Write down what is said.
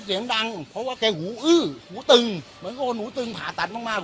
เสียงดังเพราะว่าแกหูอื้อหูตึงเหมือนกับว่าหนูตึงผ่าตัดมากมาก